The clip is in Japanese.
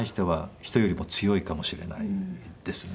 人よりも強いかもしれないですね。